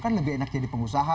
kan lebih enak jadi pengusaha